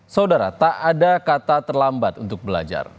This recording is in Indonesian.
saudara tak ada kata terlambat untuk belajar